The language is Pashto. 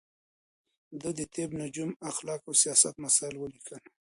ده د طب، نجوم، اخلاق او سياست مسايل وليکل